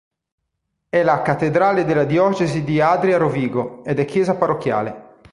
È la concattedrale della diocesi di Adria-Rovigo ed è chiesa parrocchiale.